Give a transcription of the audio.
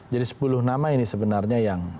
jadi sepuluh nama ini sebenarnya yang